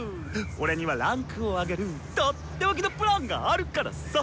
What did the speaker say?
俺には位階を上げるとっておきの計画があるからサ！